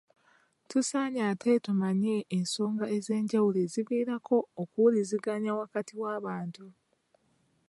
Tusaanye ate tumanye ensonga ez’enjawulo eziviirako okuwuliziganya wakati w’abantu.